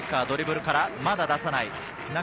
ドリブルから、まだ出さない。